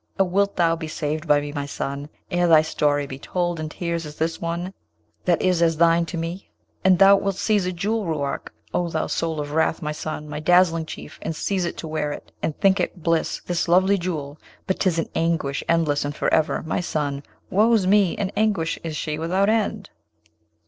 And wilt thou be saved by me, my son, ere thy story be told in tears as this one, that is as thine to me? And thou wilt seize a jewel, Ruark, O thou soul of wrath, my son, my dazzling Chief, and seize it to wear it, and think it bliss, this lovely jewel; but 'tis an anguish endless and for ever, my son! Woe's me! an anguish is she without end.'